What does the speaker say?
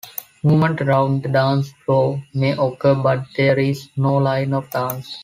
Movement around the dance floor may occur, but there is no line-of-dance.